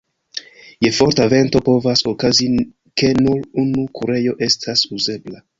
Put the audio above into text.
Je forta vento povas okazi, ke nur unu kurejo estas uzebla.